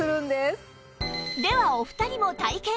ではお二人も体験